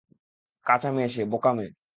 কাঁচা মেয়ে সে, বোকা মেয়ে।